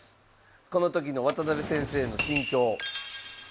この時の渡辺先生の心境。